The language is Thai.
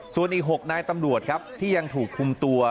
ส่วนอีก๖นายตำรวจครับที่ยังถูกคุมตัว